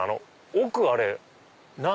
奥あれ何？